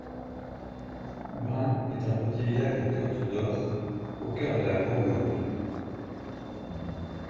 Brain est un petit village de Côte-d'Or, au cœur de la Bourgogne.